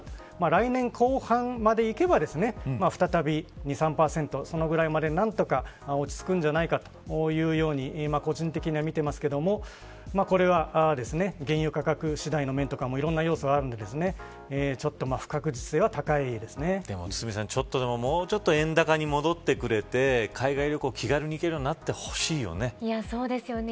来年後半までいけば再び２、３％そのぐらいまで何とか落ち着くんじゃないかというように個人的には見ていますけれどもこれは原油価格次第の面とかいろんな要素があるので堤さんもうちょっと円高に戻ってくれて海外旅行、気軽に行けるようになってほしいよね。